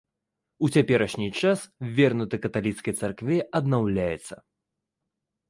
У цяперашні час вернуты каталіцкай царкве, аднаўляецца.